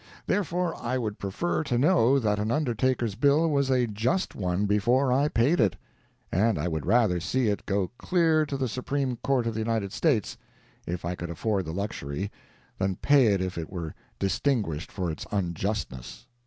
Therefore I would prefer to know that an undertaker's bill was a just one before I paid it; and I would rather see it go clear to the Supreme Court of the United States, if I could afford the luxury, than pay it if it were distinguished for its unjustness.